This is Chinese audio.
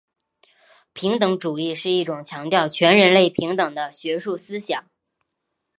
平等主义是一种强调全人类平等的学术思想。